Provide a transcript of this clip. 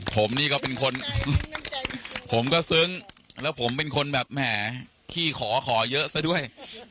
ผมนี่ก็เป็นคนผมก็ซึ้งแล้วผมเป็นคนแบบแหมขี้ขอขอเยอะซะด้วย